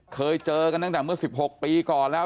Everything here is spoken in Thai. เคยเจอกันตั้งแต่เมื่อ๑๖ปีก่อนแล้ว